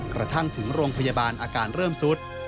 กระทั่งถึงโรงพยาบาลอาการเริ่มสุด